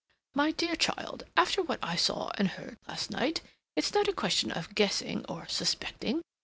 "My dear child, after what I saw and heard last night, it's not a question of guessing or suspecting.